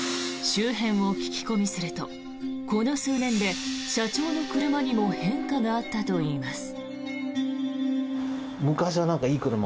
周辺を聞き込みするとこの数年で社長の車にも変化があったといいます。